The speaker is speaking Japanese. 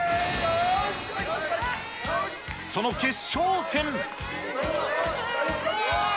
その決勝戦。